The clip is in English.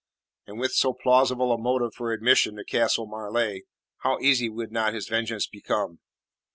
And with so plausible a motive for admission to Castle Marleigh, how easy would not his vengeance become?